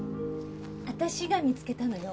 私が見つけたのよ。